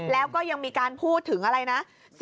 แล้วก็ยังมีการพูดถึงอะไรนะ